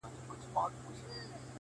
هغې راپسې دود د گرمو اوښکو سمندر کړ!